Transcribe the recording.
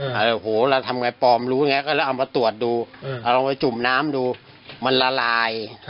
โหเราทำไงปลอมรู้ไงก็เลยเอามาตรวจดูเอาลองไปจุ่มน้ำดูมันละลาย